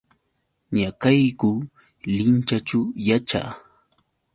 Ñaqayku Linchaćhu yaćhaa.